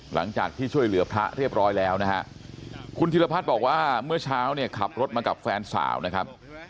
หลังจากที่ช่วยเหลือพระเรียบร้อยแล้วนะฮะคุณธิรพัฒน์บอกว่าเมื่อเช้าเนี่ยขับรถมากับแฟนสาวนะครับ